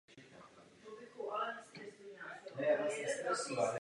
Komise bude pozorně sledovat formulace s cílem zachovat zásady decentralizace.